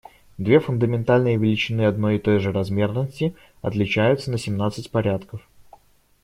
Две фундаментальные величины одной и той же размерности отличаются на семнадцать порядков.